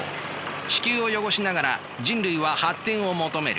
地球を汚しながら人類は発展を求める。